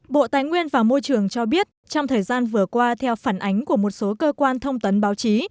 bộ tài nguyên và môi trường cho biết trong thời gian vừa qua theo phản ánh của một số cơ quan thông tấn báo chí